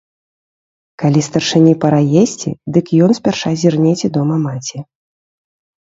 Калі старшыні пара есці, дык ён спярша зірне, ці дома маці.